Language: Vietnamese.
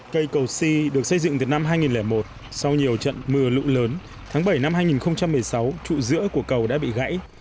cây cầu si được xây dựng từ năm hai nghìn một sau nhiều trận mưa lũ lớn tháng bảy năm hai nghìn một mươi sáu trụ giữa của cầu đã bị gãy